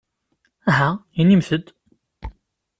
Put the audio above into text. Aha inimt-d!